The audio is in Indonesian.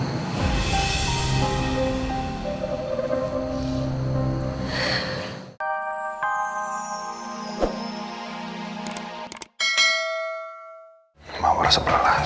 cuma berasa perlahan